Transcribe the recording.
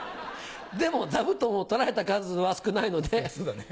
でもざぶとんを取られた数は少ないので」。